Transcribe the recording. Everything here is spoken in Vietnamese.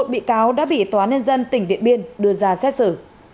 một mươi một bị cáo đã bị tòa nên dân tỉnh điện biên đưa ra xét xử